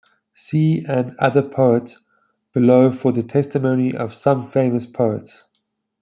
See and other poets below for the testimony of some famous poets.